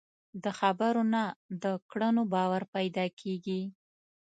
د خبرو نه، د کړنو باور پیدا کېږي.